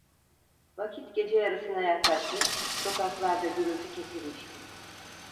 Vakit gece yarısına yaklaşmış, sokaklarda gürültü kesilmişti.